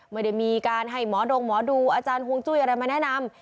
ไม่ได้มีการให้หมอดงหมอดูอาจารย์ฮวงจุ้ยอะไรมาแนะนำ